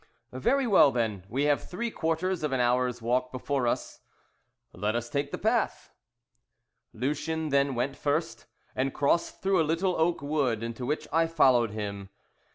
"Very well, then, we have three quarters of an hour's walk before us." "Let us take the path." Lucien then went first, and crossed through a little oak wood, into which I followed him.